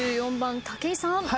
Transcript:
２４番武井さん。